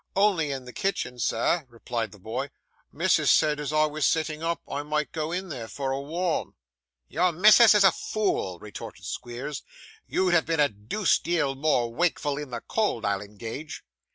'Only in the kitchen, sir,' replied the boy. 'Missus said as I was sitting up, I might go in there for a warm.' 'Your missus is a fool,' retorted Squeers. 'You'd have been a deuced deal more wakeful in the cold, I'll engage.